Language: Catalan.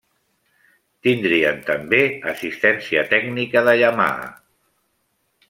Tindrien també assistència tècnica de Yamaha.